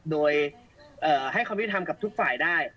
โดยเอ่อให้ความผิดทำกับทุกฝ่ายได้